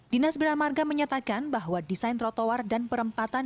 dinas bernamarga menyatakan bahwa desain trotoar dan perempatan